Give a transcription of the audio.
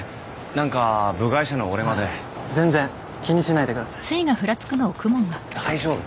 なんか部外者の俺まで全然気にしないでください大丈夫？